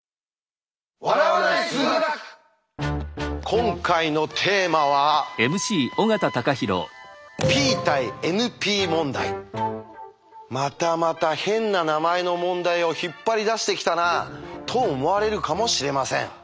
今回のテーマはまたまた変な名前の問題を引っ張り出してきたなと思われるかもしれません。